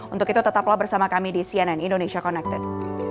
untuk itu tetaplah bersama kami di cnn indonesia connected